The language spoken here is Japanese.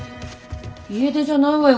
家出じゃないわよ